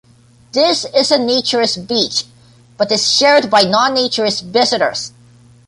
This is a naturist beach, but is shared by non-naturist visitors.